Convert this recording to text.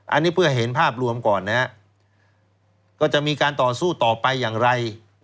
อันนี้เพื่อเห็นภาพรวมก่อนนะครับก็จะมีการต่อสู้ต่อไปอย่างไร